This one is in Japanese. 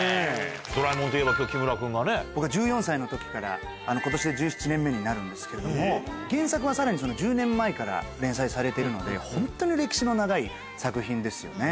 ドラえもんといえば、きょう、木村君がね。僕、１４歳のときから、ことしで１７年目になるんですけれども、原作はさらにその１０年前から連載されているので、本当に歴史の長い作品ですよね。